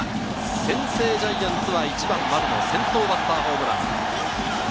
先制ジャイアンツ、１番・丸の先頭バッターホームラン。